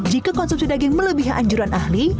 jika konsumsi daging melebihi anjuran ahli